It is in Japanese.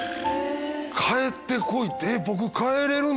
「帰ってこい」って。